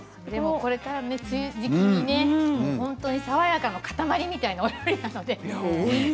これから梅雨の時期に爽やかの塊みたいなお料理なので。